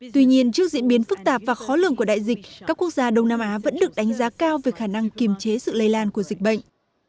tuy nhiên trước diễn biến phức tạp và khó lường của đại dịch các quốc gia đông nam á vẫn được đánh giá cao về khả năng kiềm chế sự lây lan của dịch bệnh